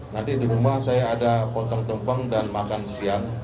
nanti di rumah saya ada potong tumpeng dan makan siang